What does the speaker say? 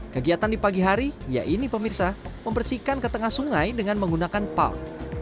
kegiatan di pagi hari ya ini pemirsa membersihkan ke tengah sungai dengan menggunakan palm